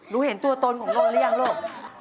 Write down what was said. รู้เห็นตัวตนของนนทหรือยังลูก